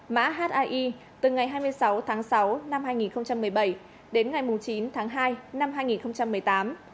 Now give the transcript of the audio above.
mã hi từ ngày hai mươi sáu tháng sáu năm hai nghìn một mươi bảy đến ngày chín tháng hai năm hai nghìn một mươi tám